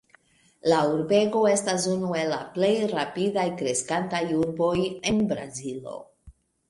La urbego estas unu el la plej rapidaj kreskantaj urboj en Brazilo.